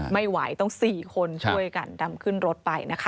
ไม่ไหวต้อง๔คนช่วยกันดำขึ้นรถไปนะคะ